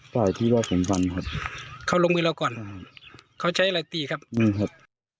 ฝ่ายที่ว่าผมฟันครับเขาลงมือเราก่อนเขาใช้อะไรตีครับมือครับ